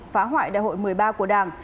phá hoại đại hội một mươi ba của đảng